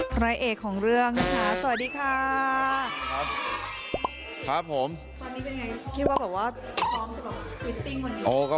พระเอกของเรื่องนะคะสวัสดีค่ะ